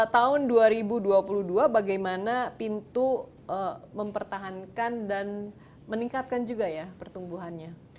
tahun dua ribu dua puluh dua bagaimana pintu mempertahankan dan meningkatkan juga ya pertumbuhannya